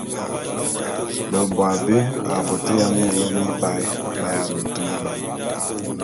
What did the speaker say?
Beboabé a bôt ya minlem mibaé b’ayiane tuneban.